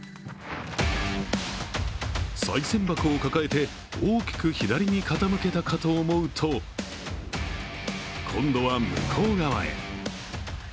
さい銭箱を抱えて大きく左に傾けたかと思うと、今度は向こう側へ。